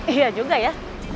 iya juga ya